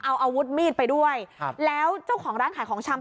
เอาอาวุธมีดไปด้วยครับแล้วเจ้าของร้านขายของชำ